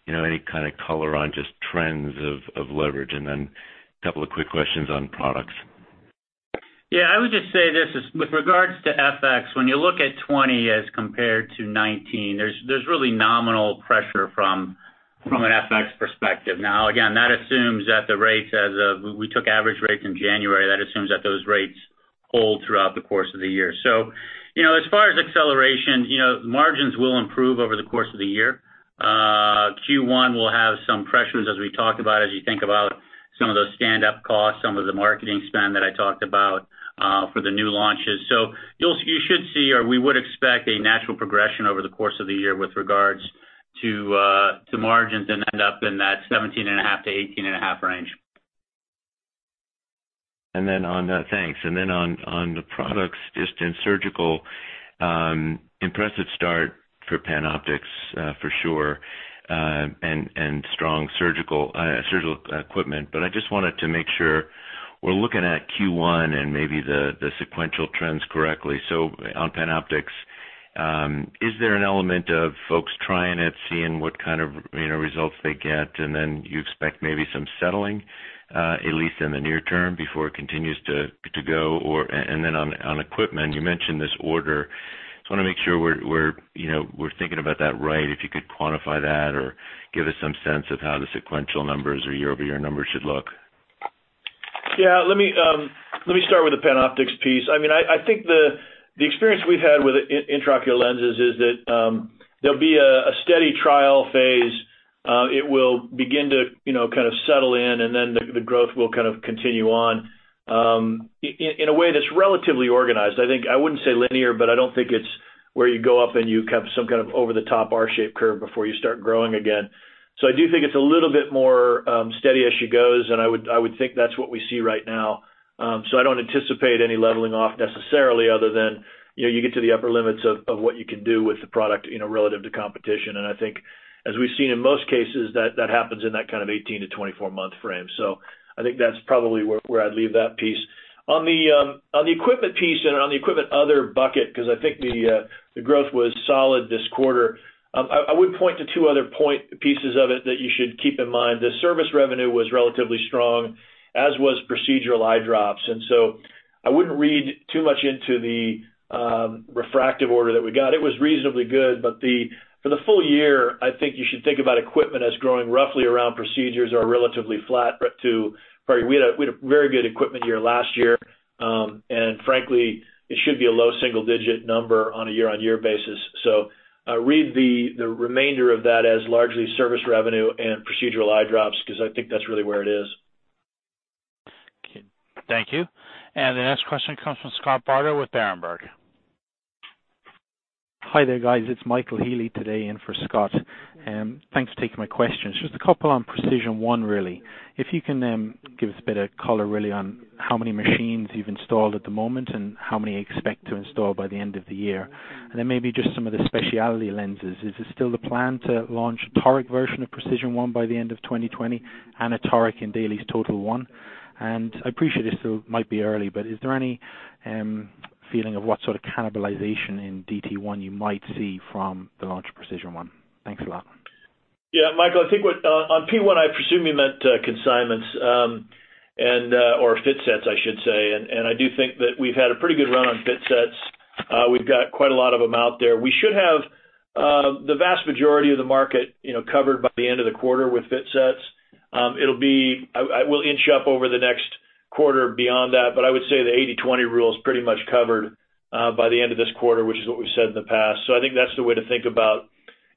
You know, any kind of color on just trends of leverage? Then a couple of quick questions on products. Yeah. I would just say this is with regards to FX. When you look at 2020 as compared to 2019, there's really nominal pressure from an FX perspective. Now again that assumes that the rates as of we took average rates in January. That assumes that those rates hold throughout the course of the year. You know as far as acceleration you know margins will improve over the course of the year. Q1 will have some pressures as we talk about as you think about some of those standup costs some of the marketing spend that I talked about for the new launches. You'll you should. Here we would expect a natural progression over the course of the year with regards to margins and end up in that 17.5%-18.5% range. Thanks. On the products, just in surgical, impressive start for PanOptix, for sure, and strong surgical equipment. I just wanted to make sure we're looking at Q1 and maybe the sequential trends correctly. On PanOptix, is there an element of folks trying it, seeing what kind of, you know, results they get, and then you expect maybe some settling, at least in the near term before it continues to go? On equipment, you mentioned this order. Just wanna make sure we're, you know, we're thinking about that right. If you could quantify that or give us some sense of how the sequential numbers or year-over-year numbers should look. Yeah, let me let me start with the PanOptix piece. I mean, I think the experience we've had with intraocular lenses is that, there'll be a steady trial phase. It will begin to, you know, kind of settle in, and then the growth will kind of continue on, in a way that's relatively organized. I think, I wouldn't say linear, but I don't think it's where you go up, and you have some kind of over the top R-shaped curve before you start growing again. I do think it's a little bit more steady as she goes, and I would think that's what we see right now. I don't anticipate any leveling off necessarily other than, you know, you get to the upper limits of what you can do with the product, you know, relative to competition. I think as we've seen in most cases, that happens in that kind of 18-24 month frame. I think that's probably where I'd leave that piece. On the equipment piece and on the equipment other bucket, 'cause I think the growth was solid this quarter, I would point to two other point pieces of it that you should keep in mind. The service revenue was relatively strong, as was procedural eye drops, and so I wouldn't read too much into the refractive order that we got. It was reasonably good, but for the full year, I think you should think about equipment as growing roughly around procedures or relatively flat, but we had a very good equipment year last year. Frankly, it should be a low single digit number on a year-on-year basis. Read the remainder of that as largely service revenue and procedural eye drops 'cause I think that's really where it is. Okay. Thank you. The next question comes from Scott Bardo with Berenberg. Hi there, guys. It's Michael Healy today in for Scott. Thanks for taking my questions. Just a couple on PRECISION1, really. If you can, give us a bit of color really on how many machines you've installed at the moment and how many you expect to install by the end of the year. Maybe just some of the specialty lenses. Is it still the plan to launch a toric version of PRECISION1 by the end of 2020 and a toric in DAILIES TOTAL1? I appreciate this still might be early, but is there any feeling of what sort of cannibalization in DT1 you might see from the launch of PRECISION1? Thanks a lot. Yeah, Michael, I think what on PRECISION1, I presume you meant consignments or fit sets, I should say. I do think that we've had a pretty good run on fit sets. We've got quite a lot of them out there. We should have the vast majority of the market, you know, covered by the end of the quarter with fit sets. It'll be I will inch up over the next quarter beyond that, but I would say the 80-20 rule is pretty much covered by the end of this quarter, which is what we've said in the past. I think that's the way to think about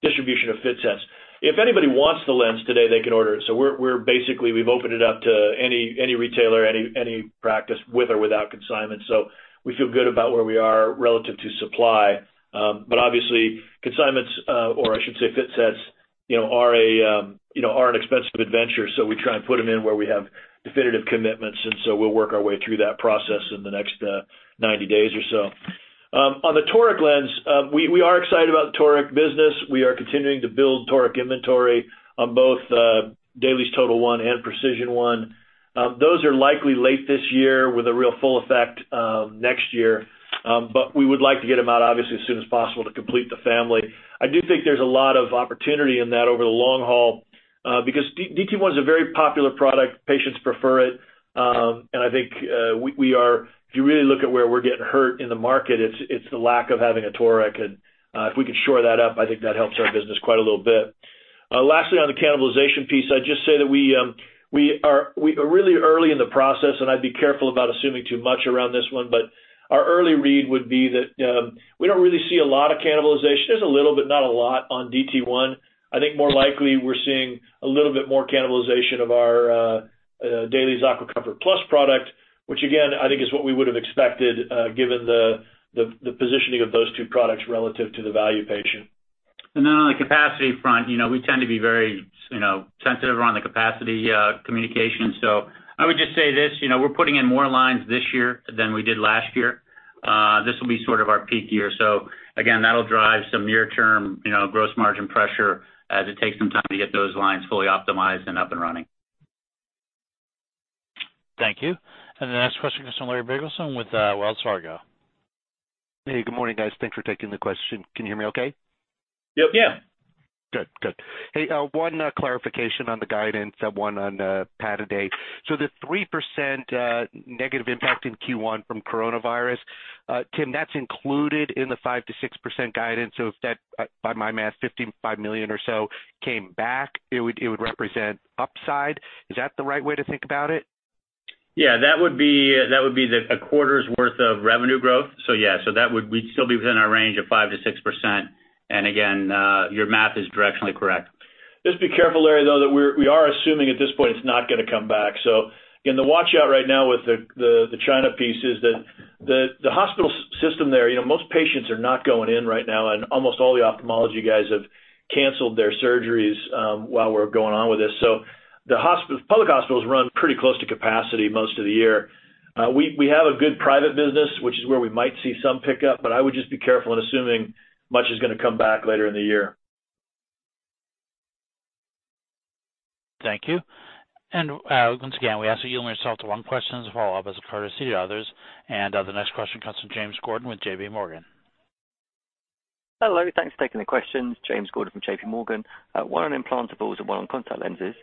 distribution of fit sets. If anybody wants the lens today, they can order it. We're basically, we've opened it up to any retailer, any practice with or without consignment. We feel good about where we are relative to supply. Obviously consignments, or I should say fit sets, you know, are an expensive adventure, so we try and put them in where we have definitive commitments, and so we'll work our way through that process in the next 90 days or so. On the Toric lens, we are excited about the Toric business. We are continuing to build Toric inventory on both DAILIES TOTAL1 and PRECISION1. Those are likely late this year with a real full effect, next year. We would like to get them out obviously as soon as possible to complete the family. I do think there's a lot of opportunity in that over the long haul, because DT1 is a very popular product. Patients prefer it. I think we are if you really look at where we're getting hurt in the market, it's the lack of having a Toric. If we can shore that up, I think that helps our business quite a little bit. Lastly, on the cannibalization piece, I'd just say that we are really early in the process, and I'd be careful about assuming too much around this one. Our early read would be that we don't really see a lot of cannibalization. There's a little, but not a lot on DT1. I think more likely we're seeing a little bit more cannibalization of our DAILIES AquaComfort Plus product, which again, I think is what we would have expected, given the positioning of those two products relative to the value patient. On the capacity front, you know, we tend to be very, you know, sensitive around the capacity, communication. I would just say this, you know, we're putting in more lines this year than we did last year. This will be sort of our peak year. Again, that'll drive some near term, you know, gross margin pressure as it takes some time to get those lines fully optimized and up and running. Thank you. The next question is from Larry Biegelsen with Wells Fargo. Hey, good morning, guys. Thanks for taking the question. Can you hear me okay? Yep. Yeah. Good. Good. Hey, one clarification on the guidance, one on Pataday. The 3% negative impact in Q1 from coronavirus, Tim, that's included in the 5%-6% guidance. If that, by my math, $55 million or so came back, it would represent upside. Is that the right way to think about it? Yeah, that would be a quarter's worth of revenue growth. Yeah, we'd still be within our range of 5%-6%. Again, your math is directionally correct. Just be careful, Larry, though, that we are assuming at this point it's not gonna come back. Again, the watch out right now with the China piece is that the hospital system there, you know, most patients are not going in right now, and almost all the ophthalmology guys have canceled their surgeries while we're going on with this. Public hospitals run pretty close to capacity most of the year. We have a good private business, which is where we might see some pickup, but I would just be careful in assuming much is gonna come back later in the year. Thank you. Once again, we ask that you limit yourself to one question and follow-up as a courtesy to others. The next question comes from James Gordon with JPMorgan. Hello. Thanks for taking the questions. James Gordon from JPMorgan. One on implantables and one on contact lenses.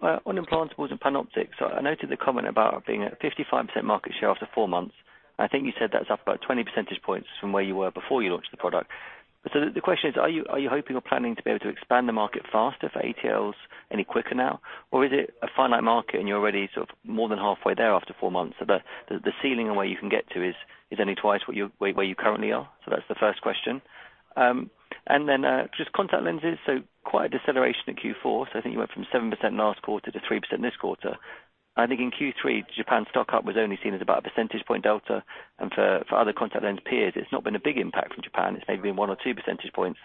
On implantables and PanOptix, I noted the comment about being at 55% market share after four months. I think you said that's up about 20 percentage points from where you were before you launched the product. The question is, are you hoping or planning to be able to expand the market faster for AT-IOLs any quicker now? Or is it a finite market and you're already sort of more than halfway there after four months? The ceiling and where you can get to is only twice what you are where you currently are. That's the first question. Just contact lenses. Quite a deceleration in Q4. I think you went from 7% last quarter to 3% this quarter. I think in Q3, Japan stock up was only seen as about a percentage point delta. For other contact lens peers, it's not been a big impact from Japan. It's maybe been one or two percentage points.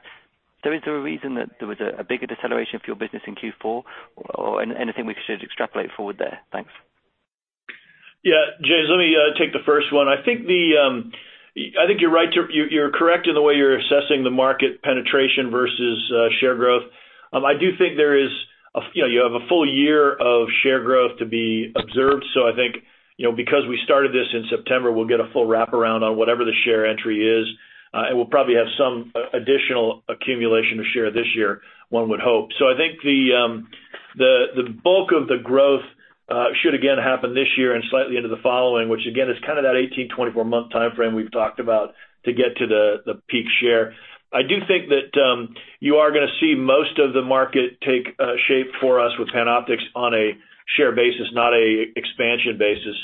Is there a reason that there was a bigger deceleration for your business in Q4 or anything we should extrapolate forward there? Thanks. Yeah. James, let me take the first one. I think you're correct in the way you're assessing the market penetration versus share growth. I do think there is, you know, you have a full year of share growth to be observed. I think, you know, because we started this in September, we'll get a full wraparound on whatever the share entry is, and we'll probably have some additional accumulation of share this year, one would hope. I think the bulk of the growth should again happen this year and slightly into the following, which again, is kind of that 18-24 month timeframe we've talked about to get to the peak share. I do think that you are gonna see most of the market take shape for us with PanOptix on a share basis, not a expansion basis.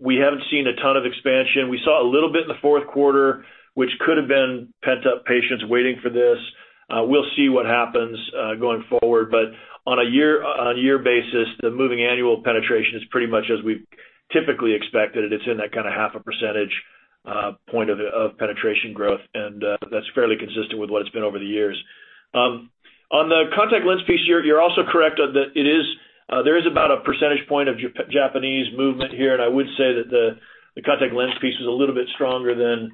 We haven't seen a ton of expansion. We saw a little bit in the fourth quarter, which could have been pent-up patients waiting for this. We'll see what happens going forward. On a year on a year basis the moving annual penetration is pretty much as we've typically expected. It's in that kind of half a percentage point of penetration growth and that's fairly consistent with what it's been over the years. On the contact lens piece, you're also correct that it is there is about a percentage point of Japanese movement here, and I would say that the contact lens piece is a little bit stronger than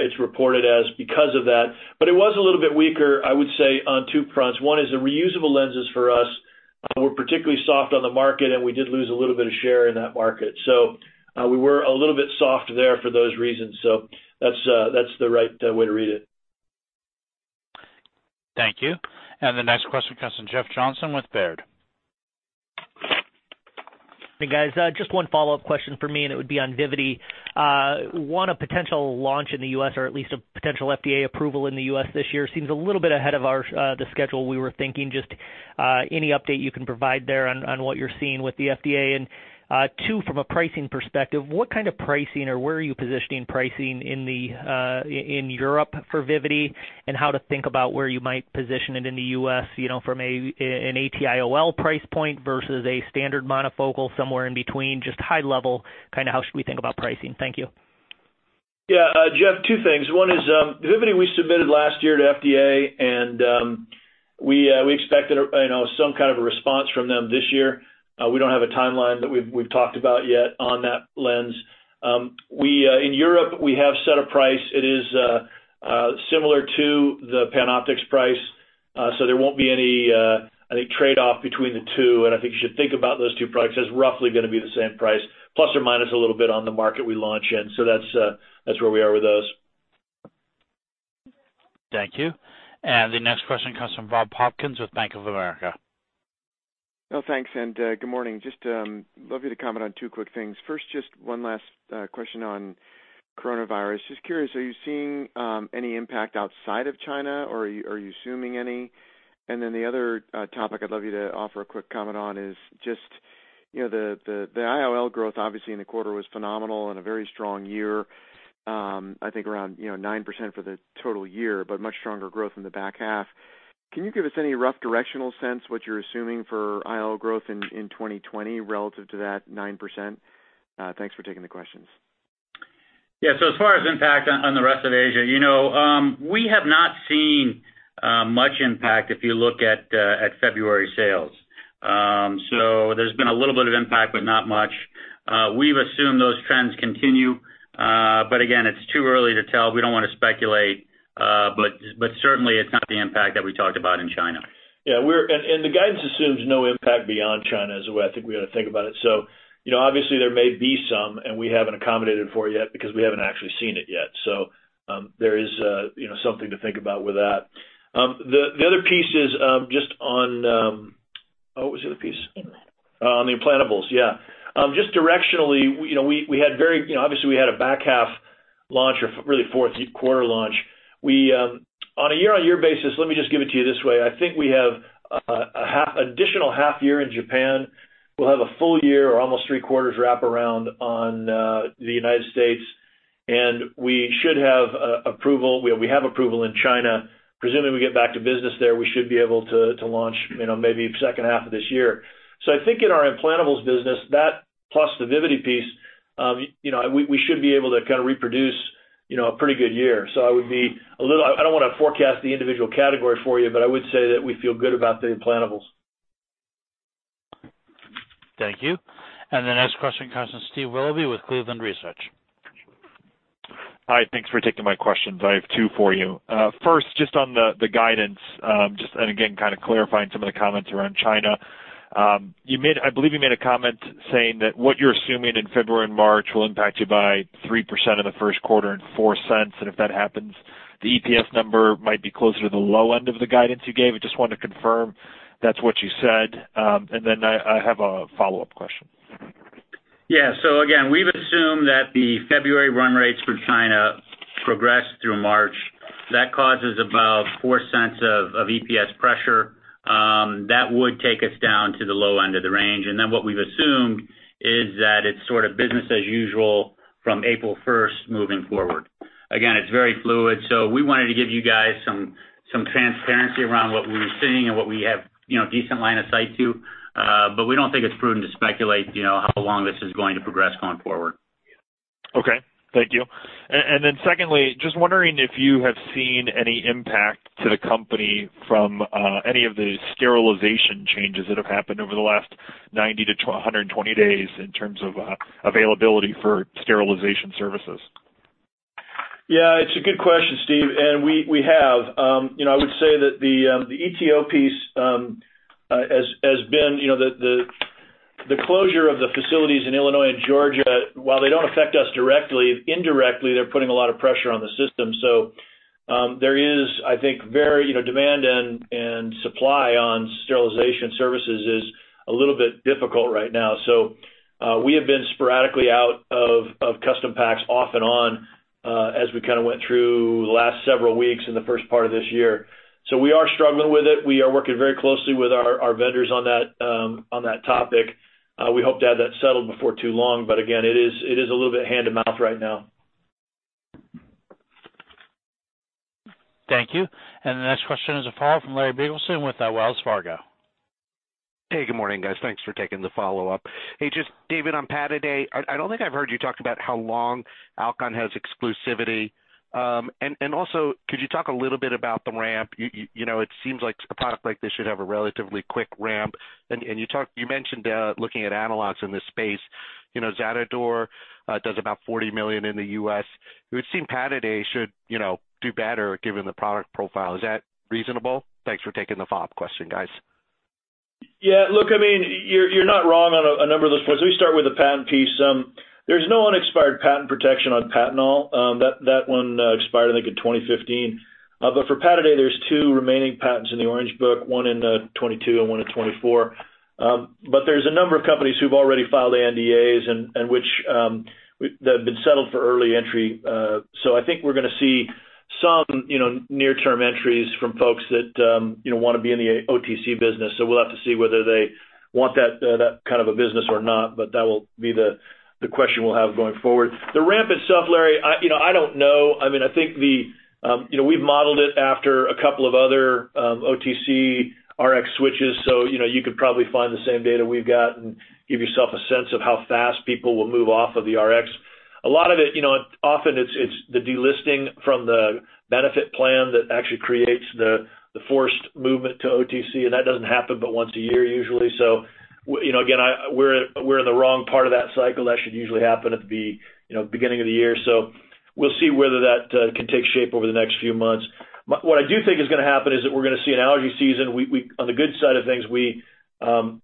it's reported as because of that. It was a little bit weaker, I would say, on two fronts. One is the reusable lenses for us were particularly soft on the market, and we did lose a little bit of share in that market. We where a little bit soft there for those reasons. That's the right way to read it. Thank you. The next question comes from Jeff Johnson with Baird. Hey, guys. Just one follow-up question for me, and it would be on Vivity. One, a potential launch in the U.S. or at least a potential FDA approval in the U.S. this year seems a little bit ahead of the schedule we were thinking. Just any update you can provide there on what you're seeing with the FDA. Two, from a pricing perspective, what kind of pricing or where are you positioning pricing in Europe for Vivity, and how to think about where you might position it in the U.S., you know, from an AT IOL price point versus a standard monofocal somewhere in between, just high level, kind of how should we think about pricing? Thank you. Yeah, Jeff, two things. One is, Vivity we submitted last year to FDA, and, we expected a, you know, some kind of a response from them this year. We don't have a timeline that we've talked about yet on that lens. In Europe, we have set a price. It is similar to the PanOptix price. There won't be any, I think, trade-off between the two, and I think you should think about those two products as roughly gonna be the same price, plus or minus a little bit on the market we launch in. That's where we are with those. Thank you. The next question comes from Bob Hopkins with Bank of America. Well, thanks, good morning. Just love you to comment on two quick things. First, just one last question on coronavirus. Just curious, are you seeing any impact outside of China or are you assuming any? The other topic I'd love you to offer a quick comment on is just, you know, the IOL growth obviously in the quarter was phenomenal and a very strong year, I think around, you know, 9% for the total year, but much stronger growth in the back half. Can you give us any rough directional sense what you're assuming for IOL growth in 2020 relative to that 9%? Thanks for taking the questions. Yeah. As far as impact on the rest of Asia, you know, we have not seen a much impact if you look at February sales. There's been a little bit of impact, but not much. We've assumed those trends continue, but again, it's too early to tell. We don't wanna speculate, but certainly it's not the impact that we talked about in China. Yeah. The guidance assumes no impact beyond China is the way I think we ought to think about it. You know, obviously there may be some, and we haven't accommodated for it yet because we haven't actually seen it yet. You know, something to think about with that. The other piece is just on. Oh, what was the other piece? Implantables. Implantables. Just directionally, you know, we had, you know, obviously we had a back half launch or really fourth quarter launch. We, on a year-on-year basis, let me just give it to you this way. I think we have a half, additional half year in Japan. We'll have a full year or almost three quarters wraparound on the United States. We should have approval. Well, we have approval in China. Presumably, we get back to business there, we should be able to launch, you know, maybe second half of this year. I think in our implantables business, that plus the Vivity piece, you know, we should be able to kind of reproduce, you know, a pretty good year. I don't want to forecast the individual category for you, but I would say that we feel good about the implantables. Thank you. The next question comes from Steve Willoughby with Cleveland Research. Hi. Thanks for taking my questions. I have two for you. First, on the guidance, and again, kind of clarifying some of the comments around China. I believe you made a comment saying that what you're assuming in February and March will impact you by 3% in the first quarter and $0.04, and if that happens, the EPS number might be closer to the low end of the guidance you gave. I just wanted to confirm that's what you said. Then I have a follow-up question. Again, we've assumed that the February run rates for China progress through March. That causes about $0.04 of EPS pressure. That would take us down to the low end of the range. What we've assumed is that it's sort of business as usual from April first moving forward. Again, it's very fluid, so we wanted to give you guys some transparency around what we were seeing and what we have, you know, decent line of sight to. We don't think it's prudent to speculate, you know, how long this is going to progress going forward. Okay. Thank you. Secondly, just wondering if you have seen any impact to the company from any of the sterilization changes that have happened over the last 90-120 days in terms of availability for sterilization services? Yeah, it's a good question, Steve. We have. You know, I would say that the ETO piece has been, you know, the closure of the facilities in Illinois and Georgia, while they don't affect us directly, indirectly, they're putting a lot of pressure on the system. There is, I think, very, you know, demand and supply on sterilization services is a little bit difficult right now. We have been sporadically out of custom packs off and on as we kind of went through the last several weeks in the first part of this year. We are struggling with it. We are working very closely with our vendors on that topic. We hope to have that settled before too long. Again, it is a little bit hand-to-mouth right now. Thank you. The next question is from Larry Biegelsen with Wells Fargo. Hey, good morning, guys. Thanks for taking the follow-up. Hey, just David, on Pataday, I don't think I've heard you talk about how long Alcon has exclusivity. Also could you talk a little bit about the ramp? You know, it seems like a product like this should have a relatively quick ramp. You mentioned looking at analogs in this space. You know, Zaditor does about $40 million in the U.S. It would seem Pataday should, you know, do better given the product profile. Is that reasonable? Thanks for taking the follow-up question, guys. Yeah. Look, I mean, you're not wrong on a number of those points. Let me start with the patent piece. There's no unexpired patent protection on Patanol. That one expired, I think, in 2015. For Pataday, there's two remaining patents in the Orange Book, one in 2022 and one in 2024. There's a number of companies who've already filed NDAs and which that have been settled for early entry. I think we're gonna see some, you know, near-term entries from folks that, you know, wanna be in the OTC business. We'll have to see whether they want that kind of a business or not, but that will be the question we'll have going forward. The ramp itself, Larry, I, you know, I don't know. I mean, I think the, you know, we've modeled it after a couple of other OTC Rx switches. You know, you could probably find the same data we've got and give yourself a sense of how fast people will move off of the Rx. A lot of it, you know, often it's the delisting from the benefit plan that actually creates the forced movement to OTC. That doesn't happen but once a year usually. You know, again, we're in the wrong part of that cycle. That should usually happen at the, you know, beginning of the year. We'll see whether that can take shape over the next few months. What I do think is gonna happen is that we're gonna see an allergy season. On the good side of things, we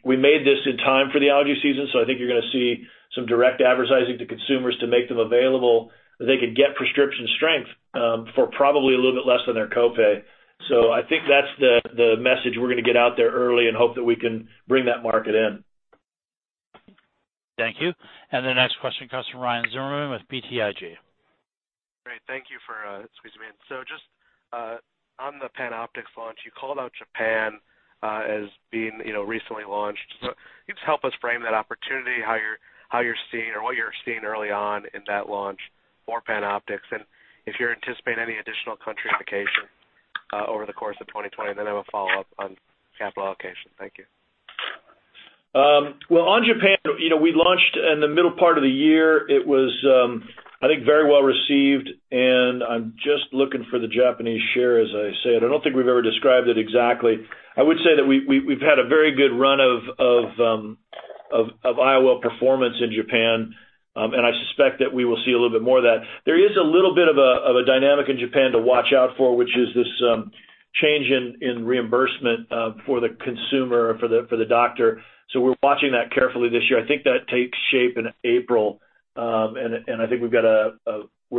made this in time for the allergy season, so I think you're gonna see some direct advertising to consumers to make them available, that they could get prescription strength for probably a little bit less than their copay. I think that's the message we're gonna get out there early and hope that we can bring that market in. Thank you. The next question comes from Ryan Zimmerman with BTIG. Great. Thank you for squeezing me in. Just on the PanOptix launch, you called out Japan as being, you know, recently launched. Can you just help us frame that opportunity, how you're seeing or what you're seeing early on in that launch for PanOptix? If you're anticipating any additional country indication over the course of 2020, and then I have a follow-up on capital allocation. Thank you. Well, on Japan, you know, we launched in the middle part of the year. It was, I think, very well received, and I'm just looking for the Japanese share, as I said. I don't think we've ever described it exactly. I would say that we've had a very good run of IOL performance in Japan. I think we'll see a little bit more of that. There is a little bit of a dynamic in Japan to watch out for, which is this change in reimbursement for the consumer, for the doctor. We're watching that carefully this year. I think that takes shape in April. I think we're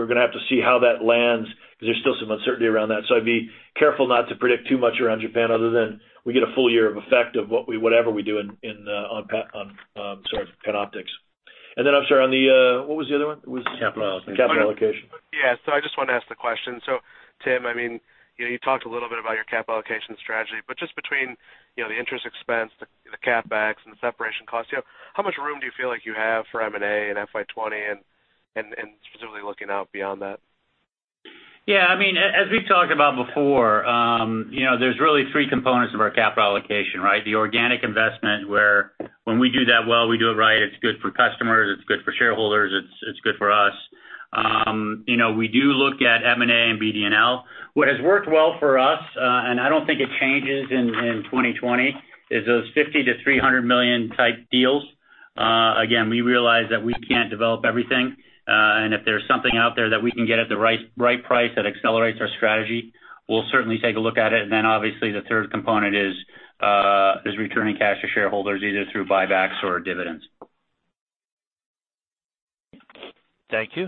gonna have to see how that lands because there's still some uncertainty around that. I'd be careful not to predict too much around Japan other than we get a full year of effect of whatever we do on PanOptix. Then I'm sorry on the what was the other one? Was? Capital allocation. Capital allocation. Yeah. I just want to ask the question. Tim, I mean, you talked a little bit about your cap allocation strategy, but just between, you know, the interest expense, the CapEx and the separation costs, you know, how much room do you feel like you have for M&A in FY 2020 and specifically looking out beyond that? Yeah, I mean, as we've talked about before, you know, there's really three components of our capital allocation, right? The organic investment, where when we do that well, we do it right, it's good for customers, it's good for shareholders, it's good for us. You know, we do look at M&A and BD&L. What has worked well for us, and I don't think it changes in 2020, is those $50 million-$300 million type deals. Again, we realize that we can't develop everything. If there's something out there that we can get at the right price that accelerates our strategy, we'll certainly take a look at it. Obviously the third component is returning cash to shareholders, either through buybacks or dividends. Thank you.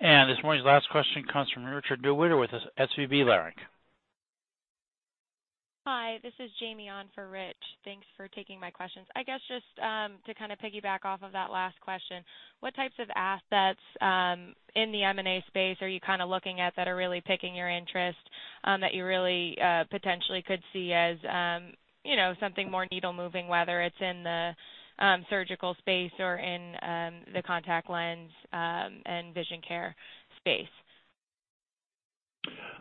This morning's last question comes from Richard Newitter with SVB Leerink. Hi, this is Jamie on for Rich. Thanks for taking my questions. I guess just to kind of piggyback off of that last question, what types of assets in the M&A space are you kind of looking at that are really picking your interest that you really potentially could see as you know something more needle moving, whether it's in the surgical space or in the contact lens and vision care space?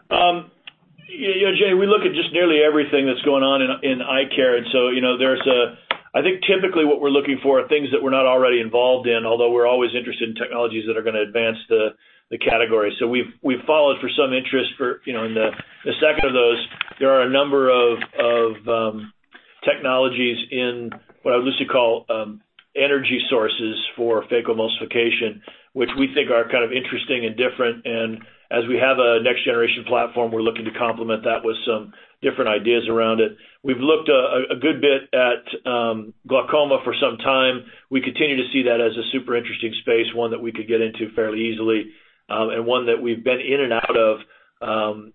Yeah, Jamie, we look at just nearly everything that's going on in eye care. You know, there's a I think typically what we're looking for are things that we're not already involved in, although we're always interested in technologies that are gonna advance the category. We've followed for some interest for, you know, in the second of those, there are a number of technologies in what I would loosely call energy sources for phacoemulsification, which we think are kind of interesting and different. As we have a next generation platform, we're looking to complement that with some different ideas around it. We've looked a good bit at glaucoma for some time. We continue to see that as a super interesting space, one that we could get into fairly easily, and one that we've been in and out of,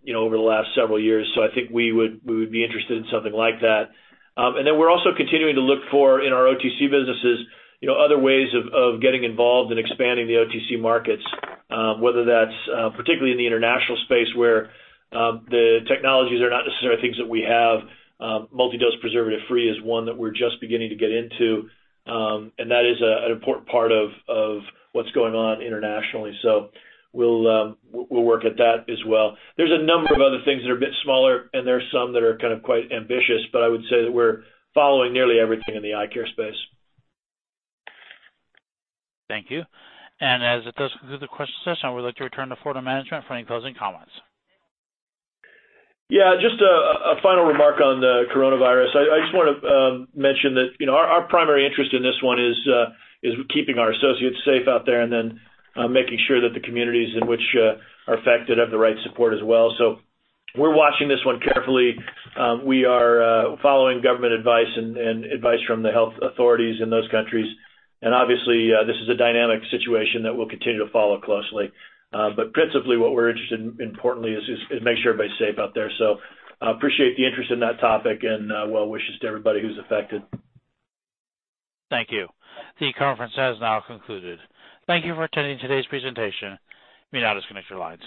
you know, over the last several years. I think we would be interested in something like that. We're also continuing to look for, in our OTC businesses, you know, other ways of getting involved in expanding the OTC markets, whether that's particularly in the international space where the technologies are not necessarily things that we have. Multi-dose preservative free is one that we're just beginning to get into. That is an important part of what's going on internationally. We'll work at that as well. There's a number of other things that are a bit smaller, and there are some that are kind of quite ambitious, but I would say that we're following nearly everything in the eye care space. Thank you. As it does conclude the question session, I would like to return to floor to management for any closing comments. Yeah, just a final remark on the coronavirus. I just wanna mention that, you know, our primary interest in this one is keeping our associates safe out there and then making sure that the communities in which are affected have the right support as well. We're watching this one carefully. We are following government advice and advice from the health authorities in those countries. Obviously, this is a dynamic situation that we'll continue to follow closely. Principally what we're interested in, importantly, is make sure everybody's safe out there. Appreciate the interest in that topic and well wishes to everybody who's affected. Thank you. The conference has now concluded. Thank you for attending today's presentation. You may now disconnect your lines.